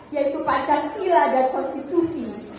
yaitu pancasila dan konstitusi